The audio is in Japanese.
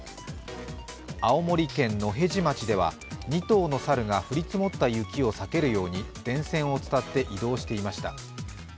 青森県野辺地町では２頭の猿が降り積もった雪を避けるように電線を伝って移動していました。